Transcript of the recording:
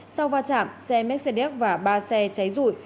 sau va chạm xe mercedes và ba xe cháy rụi